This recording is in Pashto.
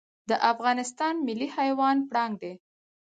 د افغانستان ملي حیوان پړانګ دی